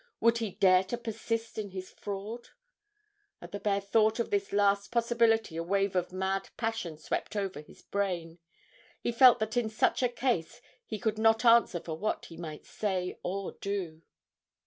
would he dare to persist in his fraud? At the bare thought of this last possibility a wave of mad passion swept over his brain he felt that in such a case he could not answer for what he might say or do.